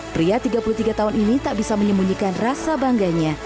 pria tiga puluh tiga tahun ini tak bisa menyembunyikan rasa bangganya